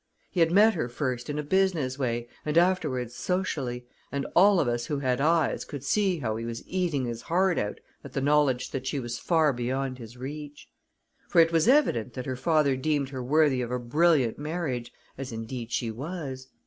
He had met her first in a business way, and afterwards socially, and all of us who had eyes could see how he was eating his heart out at the knowledge that she was far beyond his reach; for it was evident that her father deemed her worthy of a brilliant marriage as, indeed, she was.